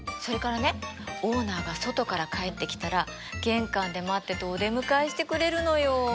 それからねオーナーが外から帰ってきたら玄関で待っててお出迎えしてくれるのよ。